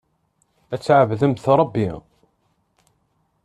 Ad tɛebdemt Ṛebbi.